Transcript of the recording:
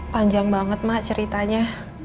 panjang banget mah ceritanya